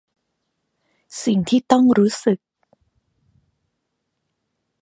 สิ่งที่ต้องรู้สึก